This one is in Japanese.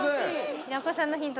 平子さんのヒント